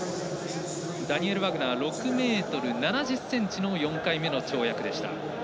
ダニエル・ワグナー６ｍ７０ｃｍの４回目の跳躍でした。